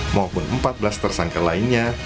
maupun empat belas tersangka lainnya